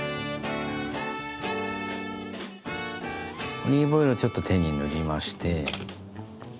オリーブオイルをちょっと手に塗りまして。